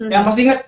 yang pasti inget